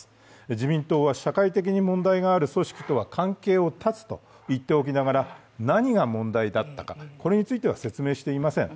自民党は社会的に問題がある組織とは関係を断つと言っておきながら何が問題だったか、これについては説明していません。